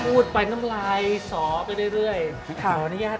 อูดไปน้ำลายสอไปเรื่อยขออนุญาต๓ได้ไหมครับ